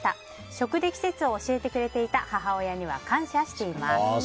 食で季節を教えてくれていた母親には感謝しています。